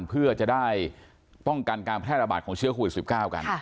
เพื่อจะได้ป้องกันการแพร่ระบาดของเชื้อโควิด๑๙กัน